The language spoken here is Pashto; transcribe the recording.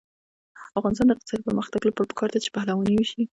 د افغانستان د اقتصادي پرمختګ لپاره پکار ده چې پهلواني وشي.